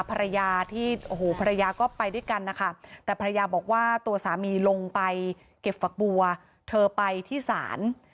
ภรรยาก็ไปด้วยกันนะคะแต่ภรรยาบอกว่าตัวสามีลงไปเก็บฝักบัวเธอไปที่สาร